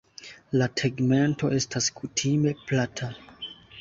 La tegmento estas kutime plata.